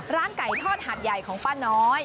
ร้านไก่ทอดหาดใหญ่ของป้าน้อย